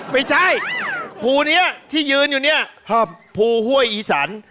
ไม่ใช่ภูนี้ที่ยืนอยู่เนี่ยภูห้วยอีสัน